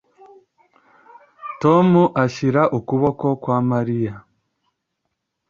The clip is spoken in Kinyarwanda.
Tom ashyira ukuboko kwa Mariya